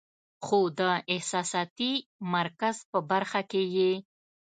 خو د احساساتي مرکز پۀ برخه کې ئې